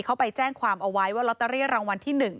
เขาไปแจ้งความเอาไว้ว่าลอตเตอรี่รางวัลที่๑